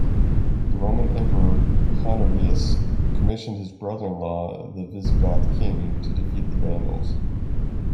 The Roman Emperor Honorius commissioned his brother-in-law, the Visigoth king, to defeat the Vandals.